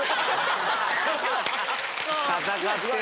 戦ってる。